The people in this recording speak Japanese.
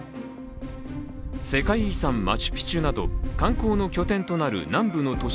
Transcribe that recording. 世界遺産・マチュピチュなど観光の拠点となる南部の都市・